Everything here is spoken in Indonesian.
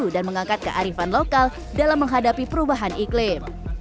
dan mengangkat kearifan lokal dalam menghadapi perubahan iklim